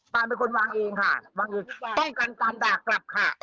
ปานเป็นคนวางเองค่ะต้องการตามด่ากลับค่ะ